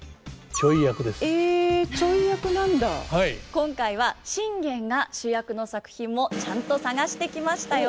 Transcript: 今回は信玄が主役の作品もちゃんと探してきましたよ。